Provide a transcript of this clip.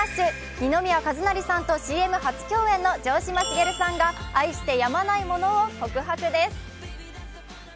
二宮和也さんとＣＭ初共演の城島茂さんが愛してやまないものを告白です。